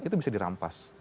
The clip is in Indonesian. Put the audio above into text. itu bisa dirampas